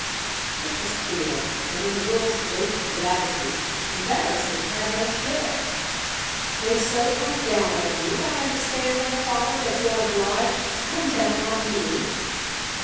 It was clear that in the girl's great gravity embarrassment had no share. "They so come down on you I understand then, father, that you're obliged to come down on me?"